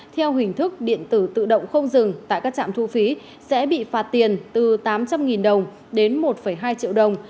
theo hình thức điện tử tự động không dừng tại các trạm thu phí sẽ bị phạt tiền từ tám trăm linh đồng đến một hai triệu đồng